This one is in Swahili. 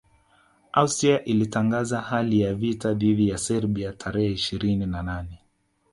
Austria ilitangaza hali ya vita dhidi ya Serbia tarehe ishirini na nane